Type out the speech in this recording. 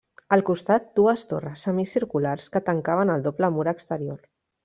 Al costat, dues torres semicirculars que tancaven el doble mur exterior.